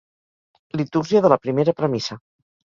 Litúrgia de la primera premissa.